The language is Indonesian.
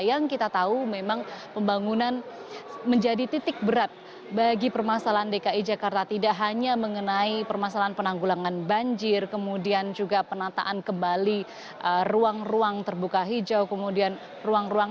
yang kita tahu memang pembangunan menjadi titik berat bagi permasalahan dki jakarta tidak hanya mengenai permasalahan penanggulangan banjir kemudian juga penataan kembali ruang ruang terbuka hijau kemudian ruang ruang